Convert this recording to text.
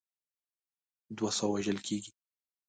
دوه سوه وژل کیږي.